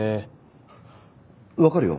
わかるよ。